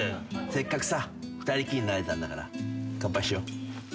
せっかくさ２人きりになれたんだから乾杯しよう。